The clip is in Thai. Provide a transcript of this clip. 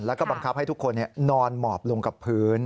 แล้วก็บังคับให้ทุกคนนอนหมอบลงกับพื้น